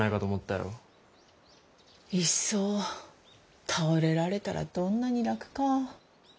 いっそ倒れられたらどんなに楽か。